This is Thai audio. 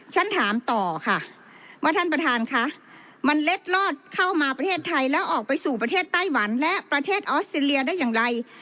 ฉันถามต่อค่ะว่าท่านประธานคะมันเล็ดลอดเข้ามาประเทศไทยแล้วออกไปสู่ประเทศไต้หวันและประเทศออสเตรเลียได้อย่างไร